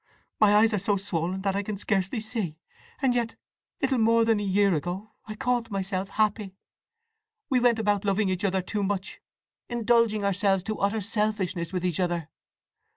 … My eyes are so swollen that I can scarcely see; and yet little more than a year ago I called myself happy! We went about loving each other too much—indulging ourselves to utter selfishness with each other!